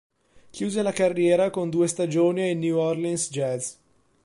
Chiuse la carriera con due stagioni ai New Orleans Jazz.